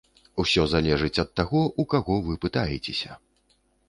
Усё залежыць ад таго, у каго вы пытаецеся.